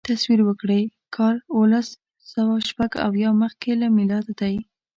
تصور وکړئ کال اوولسسوهشپږاویا مخکې له میلاده دی.